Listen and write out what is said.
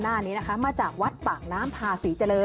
อย่างแรกเลยก็คือการทำบุญเกี่ยวกับเรื่องของพวกการเงินโชคลาภ